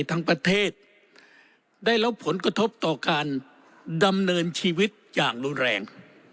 ทั้งประเทศได้รับผลกระทบต่อการดำเนินชีวิตอย่างรุนแรง